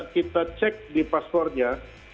kita cek di paspornya